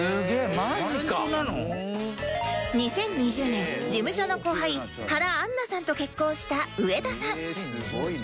２０２０年事務所の後輩原アンナさんと結婚した上田さん